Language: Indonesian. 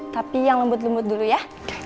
tapi yang lembut lembut dulu ya